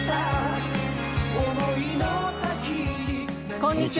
こんにちは。